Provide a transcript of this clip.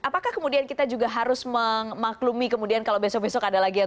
apakah kemudian kita juga harus memaklumi kemudian kalau besok besok ada lagi yang